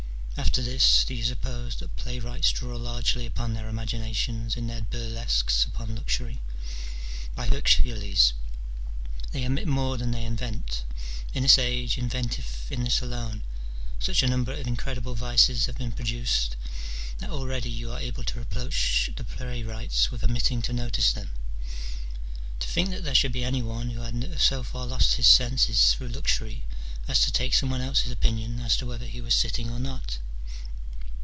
After this, do you suppose that playwrights draw largely upon their imaginations in their burlesques upon luxury : by Hercules, they omit more than they invent ; in this age, inventive in this alone, such a number of in credible vices have been produced, that already you are able to reproach the playwrights with omitting to notice them. To think that there should be any one who had so far lost his senses through luxury as to take some one else's opinion as to whether he was sitting or not